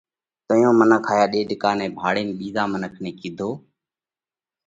تئيون منک هائيا ڏيڏڪا نئہ ڀاۯينَ ٻِيزا منک نئہ ڪِيڌو: